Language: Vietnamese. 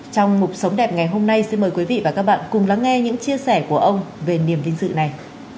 trong mục sống đẹp ngày hôm nay xin mời quý vị và các bạn cùng lắng nghe những chia sẻ của ông về niềm vinh dự này